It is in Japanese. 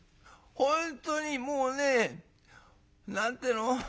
本当にもうね何て言うの？